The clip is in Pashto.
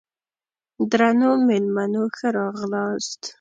درنو مېلمنو ښه راغلاست!